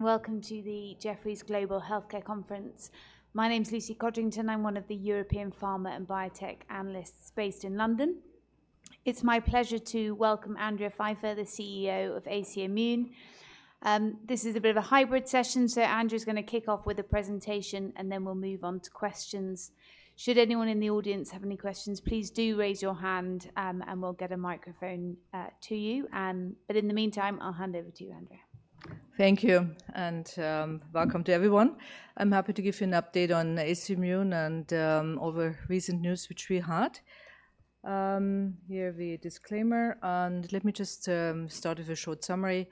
Welcome to the Jefferies Global Healthcare Conference. My name is Lucy Codrington. I'm one of the European pharma and biotech analysts based in London. It's my pleasure to welcome Andrea Pfeifer, the CEO of AC Immune. This is a bit of a hybrid session, so Andrea's going to kick off with a presentation, and then we'll move on to questions. Should anyone in the audience have any questions, please do raise your hand, and we'll get a microphone to you. But in the meantime, I'll hand over to you, Andrea. Thank you, and welcome to everyone. I'm happy to give you an update on AC Immune and all the recent news which we had. Here the disclaimer, and let me just start with a short summary.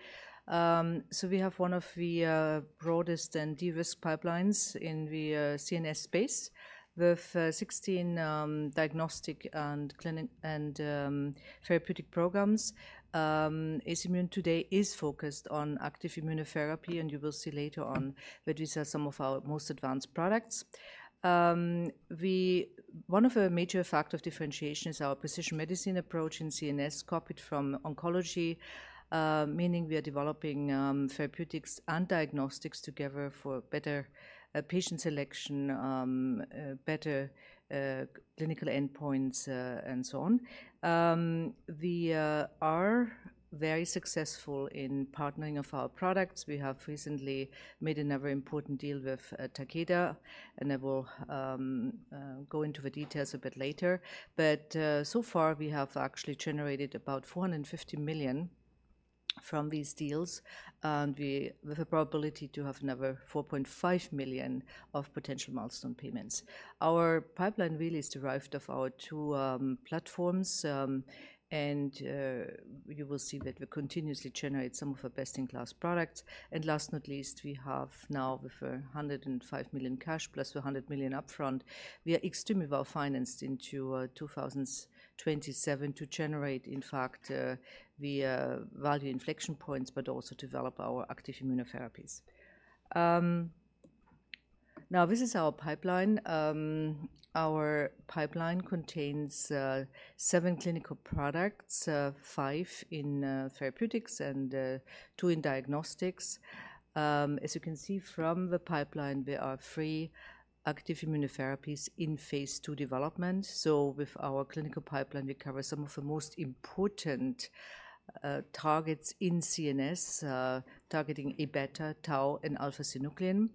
So we have one of the broadest and de-risk pipelines in the CNS space, with 16 diagnostic and clinical and therapeutic programs. AC Immune today is focused on active immunotherapy, and you will see later on that these are some of our most advanced products. One of our major factor of differentiation is our precision medicine approach in CNS, copied from oncology, meaning we are developing therapeutics and diagnostics together for better patient selection, better clinical endpoints, and so on. We are very successful in partnering of our products. We have recently made another important deal with Takeda, and I will go into the details a bit later. But so far, we have actually generated about $450 million from these deals, and we with a probability to have another $4.5 million of potential milestone payments. Our pipeline really is derived of our two platforms, and you will see that we continuously generate some of the best-in-class products. And last not least, we have now with $105 million cash plus $100 million upfront, we are extremely well financed into 2027 to generate, in fact, the value inflection points, but also develop our active immunotherapies. Now, this is our pipeline. Our pipeline contains seven clinical products, five in therapeutics and two in diagnostics. As you can see from the pipeline, there are three active immunotherapies in phase II development. So with our clinical pipeline, we cover some of the most important targets in CNS, targeting Abeta, Tau, and alpha-synuclein.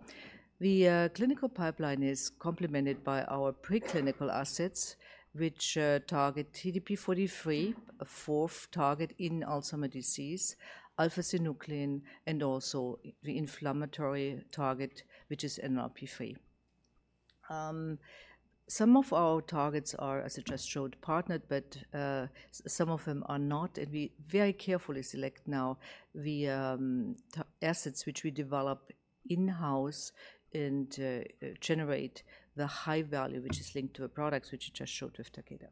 The clinical pipeline is complemented by our preclinical assets, which target TDP-43, a fourth target in Alzheimer’s disease, alpha-synuclein, and also the inflammatory target, which is NLRP3. Some of our targets are, as I just showed, partnered, but some of them are not, and we very carefully select now the assets which we develop in-house and generate the high value, which is linked to the products which I just showed with Takeda.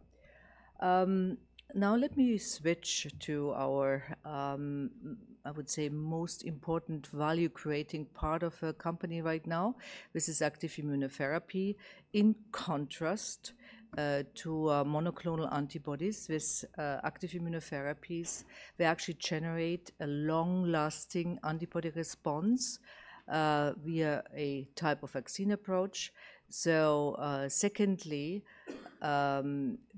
Now let me switch to our, I would say, most important value-creating part of our company right now. This is active immunotherapy. In contrast, to, monoclonal antibodies, with, active immunotherapies, they actually generate a long-lasting antibody response, via a type of vaccine approach. So, secondly,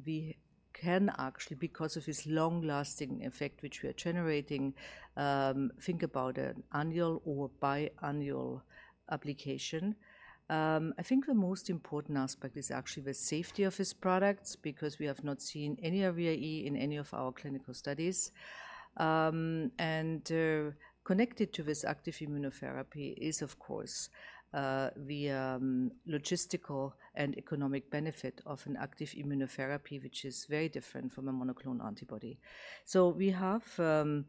we can actually, because of this long-lasting effect, which we are generating, think about an annual or biannual application. I think the most important aspect is actually the safety of these products, because we have not seen any ARIA-E in any of our clinical studies. And, connected to this active immunotherapy is, of course, the, logistical and economic benefit of an active immunotherapy, which is very different from a monoclonal antibody. So we have, I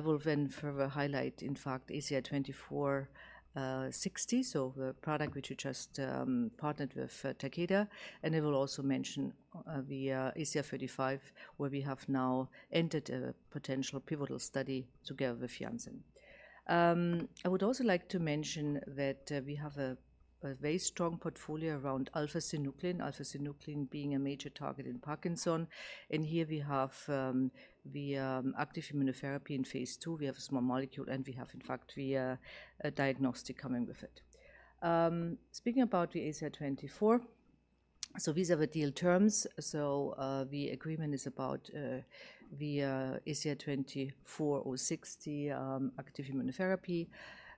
will then further highlight, in fact, ACI-24.060, so the product which we just partnered with Takeda, and I will also mention the ACI-35, where we have now entered a potential pivotal study together with Janssen. I would also like to mention that, we have a very strong portfolio around alpha-synuclein, alpha-synuclein being a major target in Parkinson's. And here we have the active immunotherapy in phase II. We have a small molecule, and we have, in fact, the a diagnostic coming with it. Speaking about the ACI-24, so these are the deal terms. So, the agreement is about the ACI-24.060, the active immunotherapy,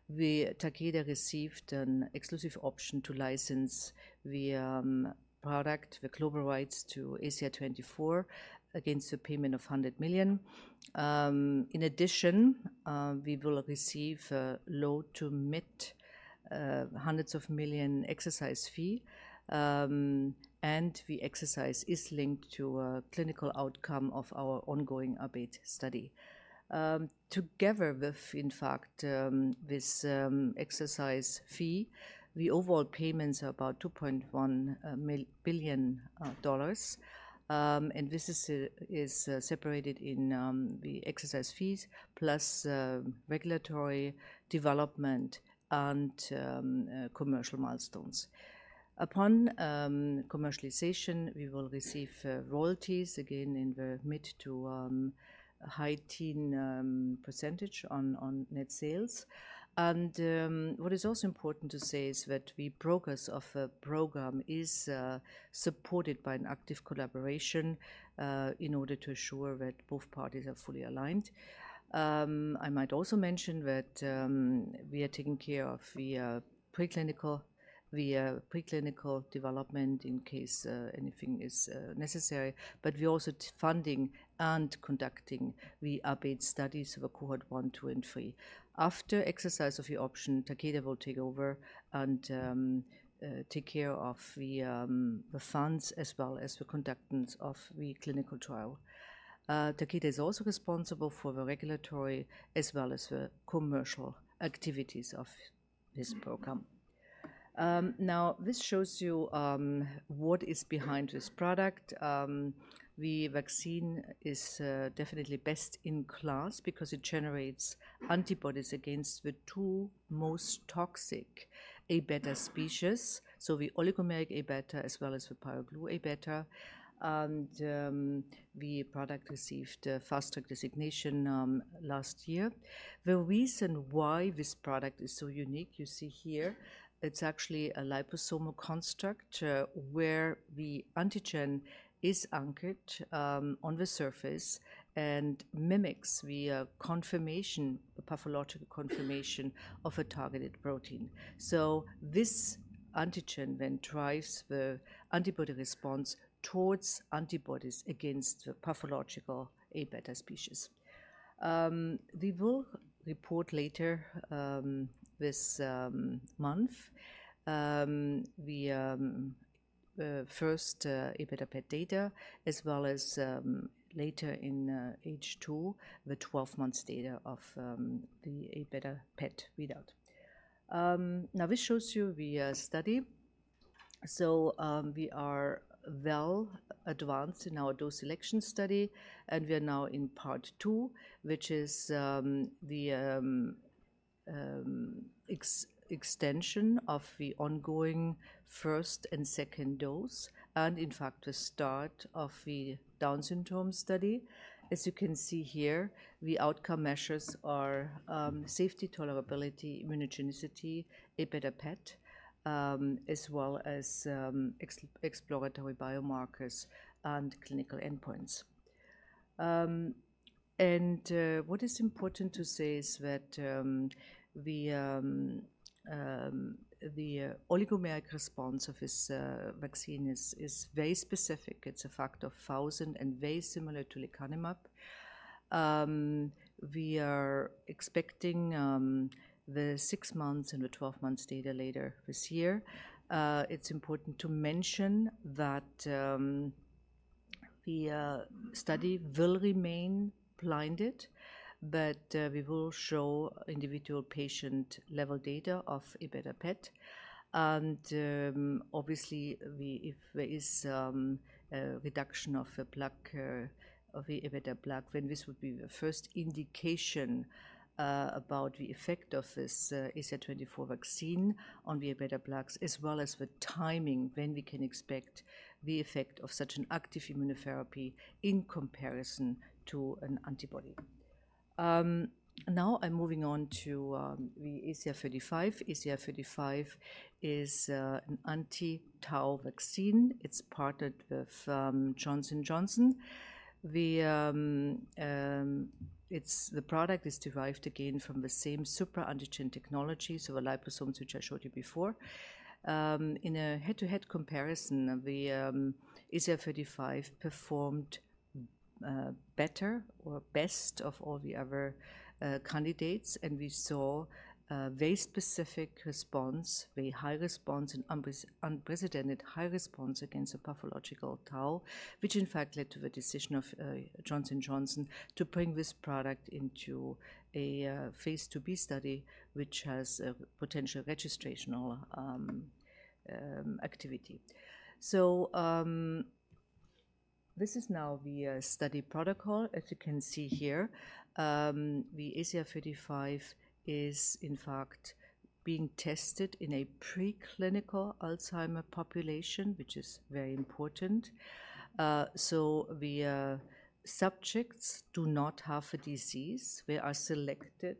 where Takeda received an exclusive option to license the product, the global rights to ACI-24.060, against the payment of $100 million. In addition, we will receive a low- to mid-hundreds of millions exercise fee, and the exercise is linked to a clinical outcome of our ongoing ABATE study. Together with this exercise fee, the overall payments are about $2.1 billion, and this is separated in the exercise fees, plus regulatory development and commercial milestones. Upon commercialization, we will receive royalties again in the mid- to high-teen % on net sales. What is also important to say is that the progress of the program is supported by an active collaboration in order to ensure that both parties are fully aligned. I might also mention that we are taking care of the preclinical development in case anything is necessary, but we are also funding and conducting the ABATE studies of the cohort 1, 2, and 3. After exercise of the option, Takeda will take over and take care of the funds as well as the conductance of the clinical trial. Takeda is also responsible for the regulatory as well as the commercial activities of this program. Now, this shows you what is behind this product. The vaccine is definitely best in class because it generates antibodies against the 2 most toxic Abeta species, so the oligomeric Abeta, as well as the pyroglu Abeta. The product received a Fast Track designation last year. The reason why this product is so unique, you see here, it's actually a liposomal construct, where the antigen is anchored on the surface and mimics the conformation, the pathological conformation of a targeted protein. So this antigen then drives the antibody response towards antibodies against the pathological Abeta species. We will report later this month the first Abeta PET data, as well as later in H2, the 12 months data of the Abeta PET readout. Now this shows you the study. So, we are well advanced in our dose selection study, and we are now in part two, which is the extension of the ongoing first and second dose, and in fact, the start of the Down syndrome study. As you can see here, the outcome measures are safety, tolerability, immunogenicity, Abeta PET, as well as exploratory biomarkers and clinical endpoints. What is important to say is that the oligomeric response of this vaccine is very specific. It's a factor of 1000 and very similar to lecanemab. We are expecting the 6 months and the 12 months data later this year. It's important to mention that the study will remain blinded, but we will show individual patient-level data of Abeta PET. Obviously, we... If there is a reduction of the plaque of the Abeta plaque, then this would be the first indication about the effect of this ACI-24 vaccine on the Abeta plaques, as well as the timing when we can expect the effect of such an active immunotherapy in comparison to an antibody. Now I'm moving on to the ACI-35. ACI-35 is an anti-tau vaccine. It's partnered with Johnson & Johnson. The product is derived again from the same super antigen technology, so the liposomes, which I showed you before. In a head-to-head comparison, the ACI-35 performed better or best of all the other candidates, and we saw a very specific response, very high response, an unprecedented high response against the pathological Tau, which in fact led to the decision of Johnson & Johnson to bring this product into a phase IIb study, which has a potential registrational activity. So, this is now the study protocol. As you can see here, the ACI-35 is in fact being tested in a preclinical Alzheimer's population, which is very important. So the subjects do not have a disease. They are selected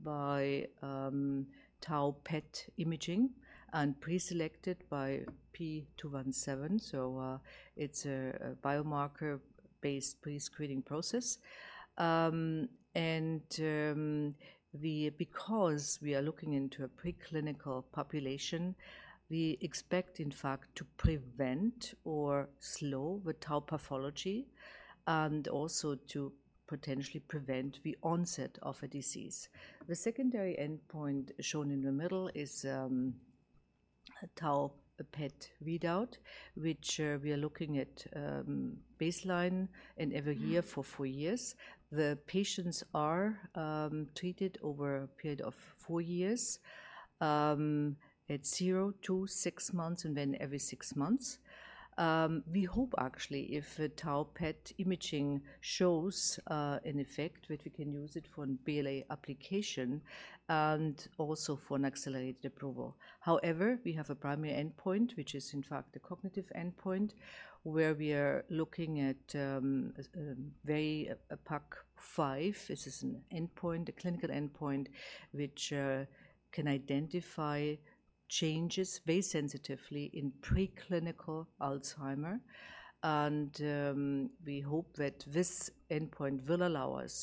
by Tau PET imaging and preselected by P217, so it's a biomarker-based pre-screening process. Because we are looking into a preclinical population, we expect, in fact, to prevent or slow the tau pathology and also to potentially prevent the onset of a disease. The secondary endpoint shown in the middle is a tau PET readout, which we are looking at baseline and every year for four years. The patients are treated over a period of four years at zero to six months, and then every six months. We hope actually, if a tau PET imaging shows an effect, that we can use it for an BLA application and also for an accelerated approval. However, we have a primary endpoint, which is in fact a cognitive endpoint, where we are looking at via PACC5. This is an endpoint, a clinical endpoint, which can identify changes very sensitively in preclinical Alzheimer’s. We hope that this endpoint will allow us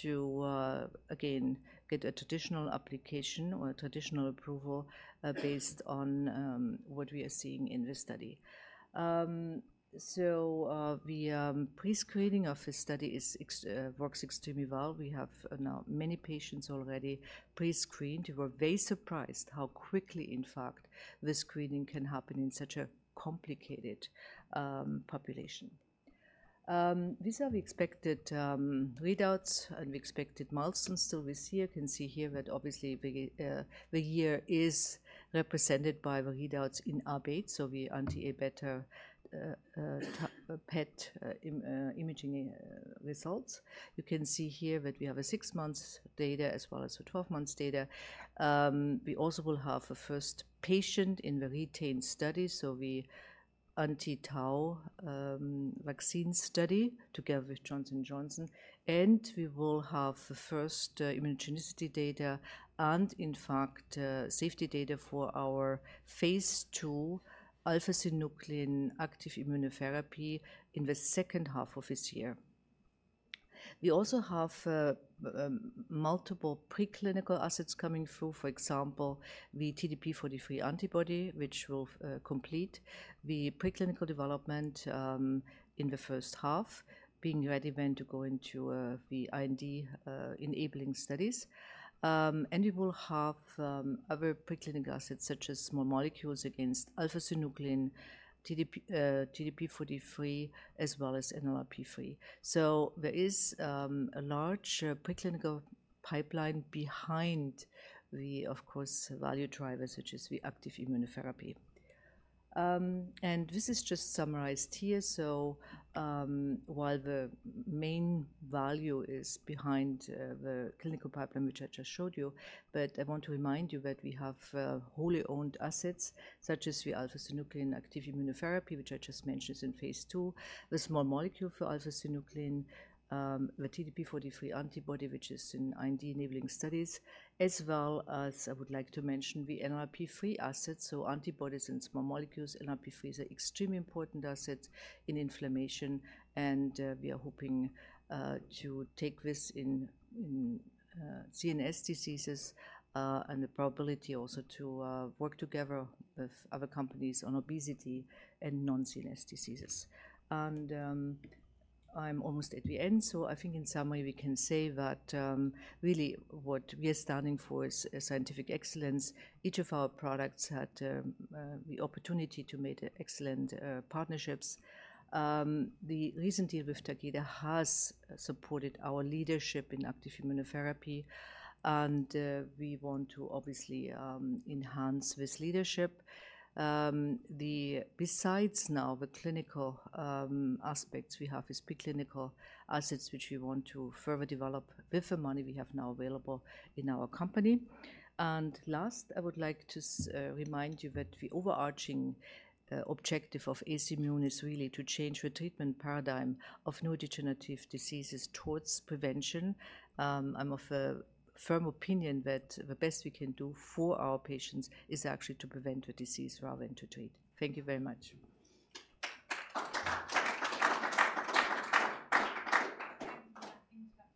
to again get a traditional application or a traditional approval based on what we are seeing in this study. The pre-screening of this study works extremely well. We now have many patients already pre-screened. We were very surprised how quickly, in fact, the screening can happen in such a complicated population. These are the expected readouts and the expected milestones. So we see, you can see here that obviously, the year is represented by the readouts in ABATE, so the anti-Abeta tau-PET imaging results. You can see here that we have 6 months data as well as 12 months data. We also will have a first patient in the ReTain study, so the anti-Tau vaccine study, together with Johnson & Johnson, and we will have the first immunogenicity data and in fact safety data for our Phase II alpha-synuclein active immunotherapy in the second half of this year. We also have multiple preclinical assets coming through. For example, the TDP-43 antibody, which will complete the preclinical development in the first half, being ready then to go into the IND enabling studies. And we will have other preclinical assets, such as small molecules against alpha-synuclein, TDP-43, as well as NLRP3. So there is a large preclinical pipeline behind the, of course, value drivers, such as the active immunotherapy. And this is just summarized here. So while the main value is behind the clinical pipeline, which I just showed you, but I want to remind you that we have wholly owned assets, such as the alpha-synuclein active immunotherapy, which I just mentioned is in phase II, the small molecule for alpha-synuclein, the TDP-43 antibody, which is in IND-enabling studies, as well as I would like to mention the NLRP3 assets, so antibodies and small molecules. NLRP3 is an extremely important asset in inflammation, and we are hoping to take this in CNS diseases, and the probability also to work together with other companies on obesity and non-CNS diseases. I'm almost at the end, so I think in summary, we can say that, really, what we are standing for is scientific excellence. Each of our products had the opportunity to make excellent partnerships. The recent deal with Takeda has supported our leadership in active immunotherapy, and we want to obviously enhance this leadership. Besides now the clinical aspects, we have these preclinical assets, which we want to further develop with the money we have now available in our company. And last, I would like to remind you that the overarching objective of AC Immune is really to change the treatment paradigm of neurodegenerative diseases towards prevention. I'm of a firm opinion that the best we can do for our patients is actually to prevent the disease rather than to treat. Thank you very much. Thank you for that introduction, Andrea.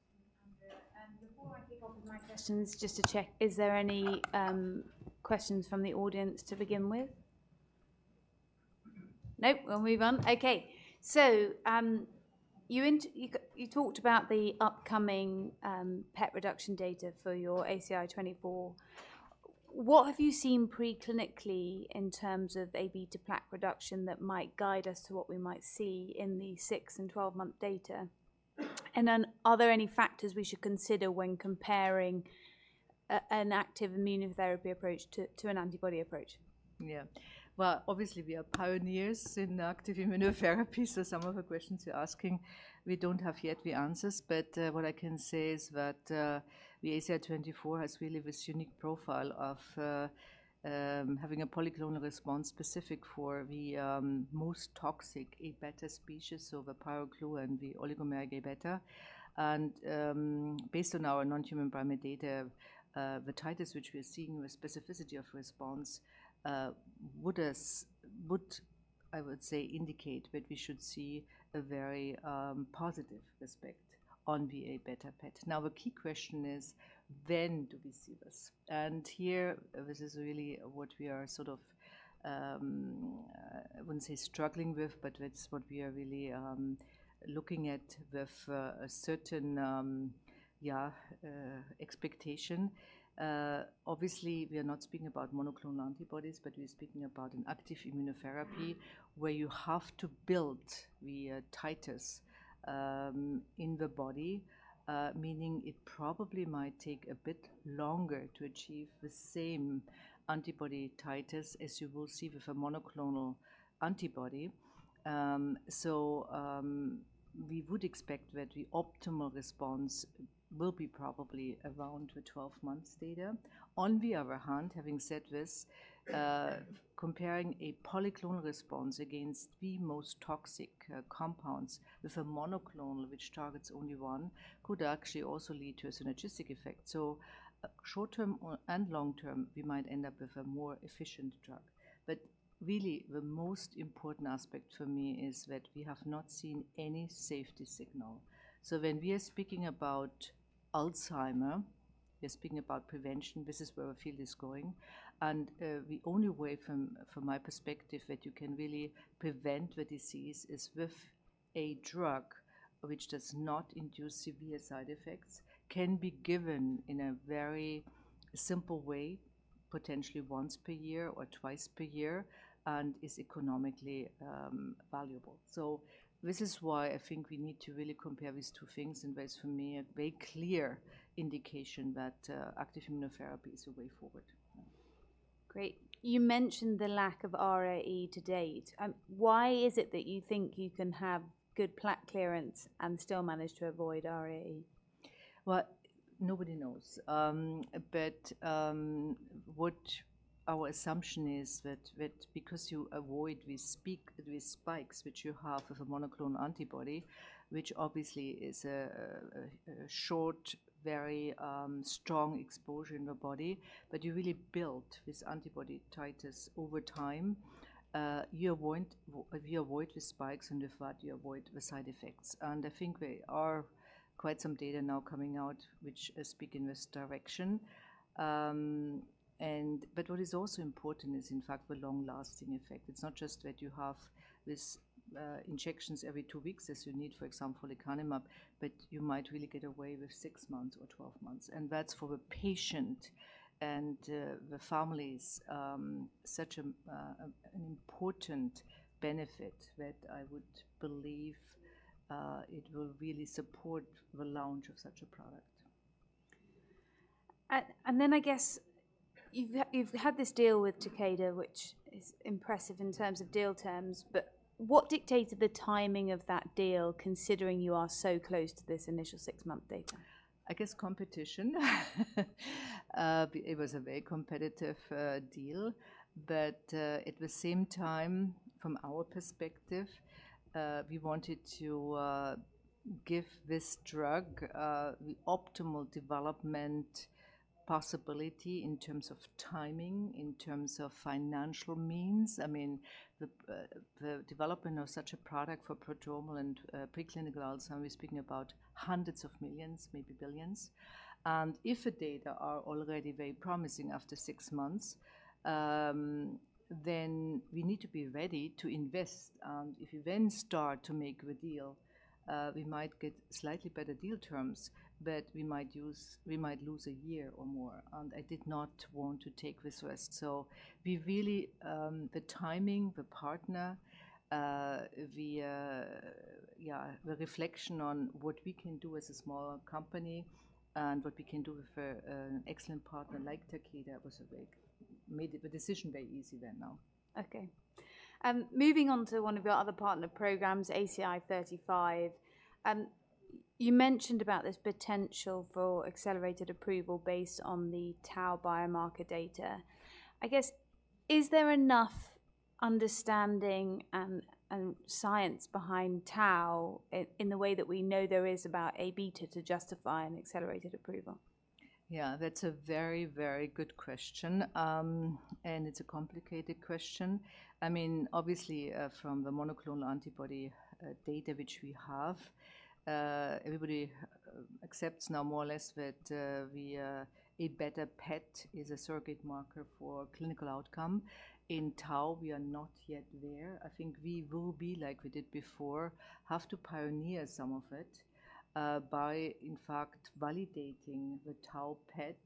And before I kick off with my questions, just to check, is there any questions from the audience to begin with? Nope, we'll move on. Okay. So, you talked about the upcoming PET reduction data for your ACI-24. What have you seen preclinically in terms of Abeta plaque reduction that might guide us to what we might see in the six- and 12-month data? And then are there any factors we should consider when comparing an active immunotherapy approach to an antibody approach? Yeah. Well, obviously, we are pioneers in active immunotherapy, so some of the questions you're asking, we don't have yet the answers. But, what I can say is that, the ACI-24 has really this unique profile of, having a polyclonal response specific for the, most toxic Abeta species, so the pyroglu and the oligomeric Abeta. And, based on our non-human primate data, the titers which we are seeing with specificity of response, would, I would say, indicate that we should see a very, positive effect on the Abeta PET. Now, the key question is: when do we see this? And here, this is really what we are sort of, I wouldn't say struggling with, but that's what we are really, looking at with, a certain, yeah, expectation. Obviously, we are not speaking about monoclonal antibodies, but we're speaking about an active immunotherapy where you have to build the titers in the body, meaning it probably might take a bit longer to achieve the same antibody titers, as you will see with a monoclonal antibody. So, we would expect that the optimal response will be probably around the 12 months data. On the other hand, having said this, comparing a polyclonal response against the most toxic compounds with a monoclonal, which targets only one, could actually also lead to a synergistic effect. So, short-term or, and long-term, we might end up with a more efficient drug. But really, the most important aspect for me is that we have not seen any safety signal. So when we are speaking about Alzheimer's, we're speaking about prevention, this is where the field is going, and the only way from my perspective that you can really prevent the disease is with a drug which does not induce severe side effects, can be given in a very simple way, potentially once per year or twice per year, and is economically valuable. So this is why I think we need to really compare these two things, and that is, for me, a very clear indication that active immunotherapy is the way forward. Great. You mentioned the lack of ARIA-E to date. Why is it that you think you can have good plaque clearance and still manage to avoid ARIA-E? Well, nobody knows. But what our assumption is that because you avoid these spikes, which you have with a monoclonal antibody, which obviously is a short, very strong exposure in the body, but you really build this antibody titers over time, you avoid – if you avoid the spikes and if that, you avoid the side effects. And I think there are quite some data now coming out which speak in this direction. But what is also important is, in fact, the long-lasting effect. It's not just that you have these injections every 2 weeks, as you need, for example, lecanemab, but you might really get away with 6 months or 12 months, and that's for the patient and the families, such an important benefit that I would believe it will really support the launch of such a product. Then, I guess, you've had this deal with Takeda, which is impressive in terms of deal terms, but what dictated the timing of that deal, considering you are so close to this initial six-month data? I guess competition. It was a very competitive deal, but at the same time, from our perspective, we wanted to give this drug the optimal development possibility in terms of timing, in terms of financial means. I mean, the development of such a product for prodromal and preclinical Alzheimer's. We're speaking about $hundreds of millions, maybe $billions. And if the data are already very promising after six months, then we need to be ready to invest. And if you then start to make the deal, we might get slightly better deal terms, but we might lose a year or more, and I did not want to take this risk. So we really, the timing, the partner, yeah, the reflection on what we can do as a smaller company and what we can do with an excellent partner like Takeda was a very... Made the decision very easy then now. Okay. Moving on to one of your other partner programs, ACI-35. You mentioned about this potential for accelerated approval based on the tau biomarker data. I guess, is there enough understanding and science behind tau in the way that we know there is about Abeta to justify an accelerated approval? Yeah, that's a very, very good question. And it's a complicated question. I mean, obviously, from the monoclonal antibody data which we have, everybody accepts now more or less that the Abeta PET is a surrogate marker for clinical outcome. In tau, we are not yet there. I think we will be, like we did before, have to pioneer some of it, by, in fact, validating the tau PET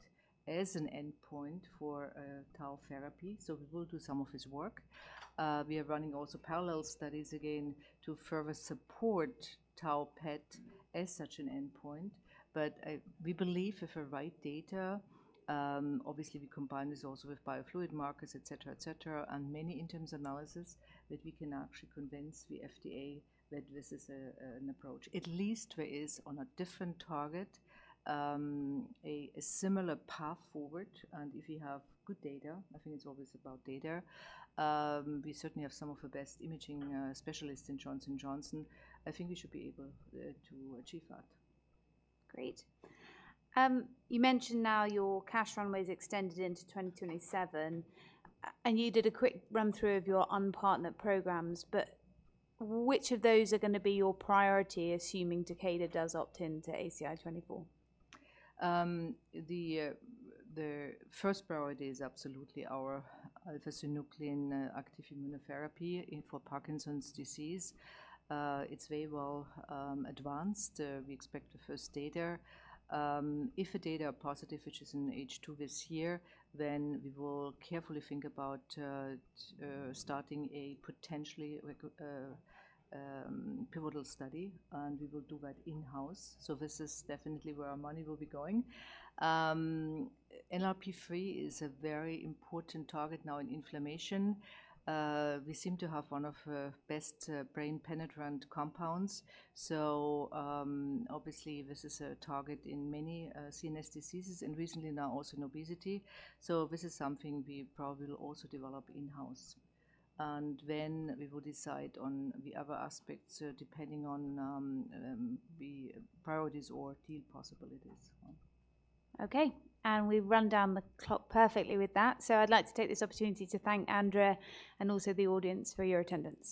as an endpoint for tau therapy. So we will do some of this work. We are running also parallel studies, again, to further support tau PET as such an endpoint. But, we believe if the right data, obviously, we combine this also with biofluid markers, et cetera, et cetera, and many interim analyses, that we can actually convince the FDA that this is a, an approach, at least where is on a different target, a, a similar path forward. And if we have good data, I think it's always about data, we certainly have some of the best imaging, specialists in Johnson & Johnson. I think we should be able, to achieve that. Great. You mentioned now your cash runway is extended into 2027, and you did a quick run-through of your unpartnered programs, but which of those are gonna be your priority, assuming Takeda does opt in to ACI-24? The first priority is absolutely our alpha-synuclein active immunotherapy for Parkinson's disease. It's very well advanced. We expect the first data. If the data are positive, which is in H2 this year, then we will carefully think about starting a potentially pivotal study, and we will do that in-house. So this is definitely where our money will be going. NLRP3 is a very important target now in inflammation. We seem to have one of the best brain-penetrant compounds, so obviously, this is a target in many CNS diseases and recently now also in obesity. So this is something we probably will also develop in-house. Then we will decide on the other aspects depending on the priorities or deal possibilities. Okay. We've run down the clock perfectly with that. So I'd like to take this opportunity to thank Andrea and also the audience for your attendance.